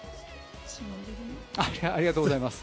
ありがとうございます。